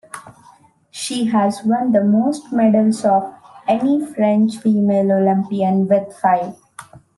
She has won the most medals of any French female Olympian, with five.